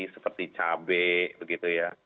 seperti cabai begitu ya